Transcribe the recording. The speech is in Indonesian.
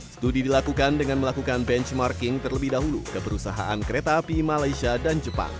studi dilakukan dengan melakukan benchmarking terlebih dahulu ke perusahaan kereta api malaysia dan jepang